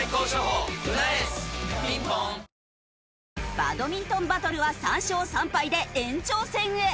バドミントンバトルは３勝３敗で延長戦へ！